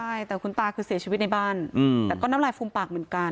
ใช่แต่คุณตาคือเสียชีวิตในบ้านแต่ก็น้ำลายฟูมปากเหมือนกัน